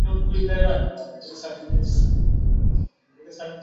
车站的设计主题是高科技。